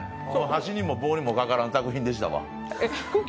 箸にも棒にもかからない作品でしたわ。